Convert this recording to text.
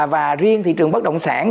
và riêng thị trường bất động sản